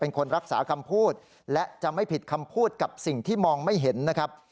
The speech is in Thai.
เป็นคนรักษาคำพูดและจะไม่ผิดคำพูดกับสิ่งที่มองไม่เห็นนะครับ